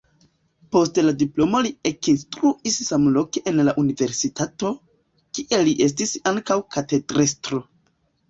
Post la diplomo li ekinstruis samloke en la universitato, kie li estis ankaŭ katedrestro.